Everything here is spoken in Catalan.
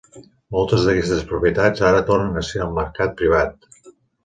Moltes d'aquestes propietats ara tornen a ser al mercat privat.